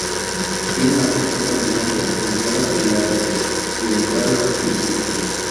Tiene la corteza brillante, anillada y largas y dentadas estípulas.